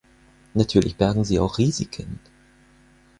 Natürlich bergen sie auch Risiken.